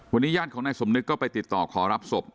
วันนี้ญาติของนายสมนึกก็ไปติดต่อขอรับศพ